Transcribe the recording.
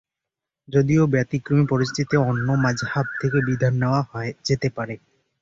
যদিও ব্যতিক্রমী পরিস্থিতিতে অন্য মাজহাব থেকেও বিধান নেওয়া যেতে পারে।